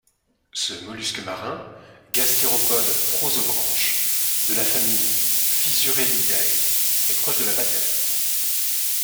Ce mollusque marin, gastéropode prosobranche, de la famille Fissurellidae est proche de la patelle.